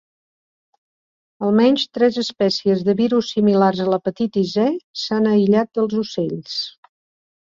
Almenys tres espècies de virus similars a l'hepatitis E s'han aïllat dels ocells.